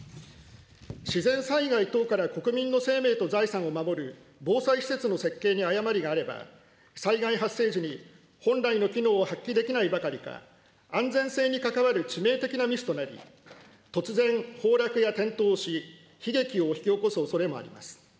自然災害等から国民の生命と財産を守る防災施設の設計に誤りがあれば、災害発生時に本来の機能を発揮できないばかりか、安全性に関わる致命的なミスとなり、突然、崩落や転倒し、悲劇を引き起こすおそれもあります。